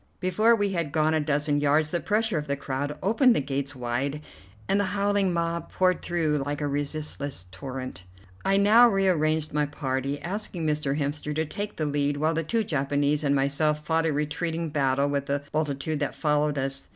Before we had gone a dozen yards the pressure of the crowd opened the gates wide, and the howling mob poured through like a resistless torrent. I now re arranged my party, asking Mr. Hemster to take the lead, while the two Japanese and myself fought a retreating battle with the multitude that followed us.